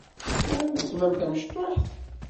Tesɛiḍ weltma-m tamecṭuḥt?